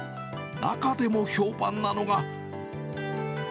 中でも評判なのが。